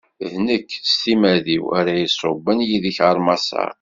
D nekk, s timmad-iw, ara iṣubben yid-k ɣer Maṣer.